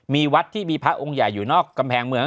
มีวัดที่มีพระองค์ใหญ่อยู่นอกกำแพงเมือง